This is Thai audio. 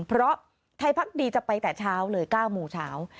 เพราะไทยพักดีจะไปแต่เช้าเลย๙โมงเช้า